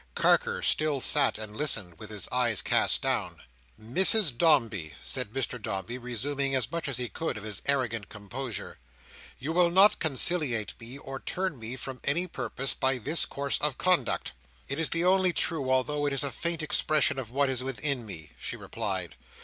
Carker still sat and listened, with his eyes cast down. "Mrs Dombey," said Mr Dombey, resuming as much as he could of his arrogant composure, "you will not conciliate me, or turn me from any purpose, by this course of conduct." "It is the only true although it is a faint expression of what is within me," she replied.